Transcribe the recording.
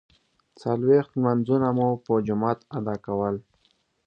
څلویښت لمانځونه مو په جماعت ادا کول.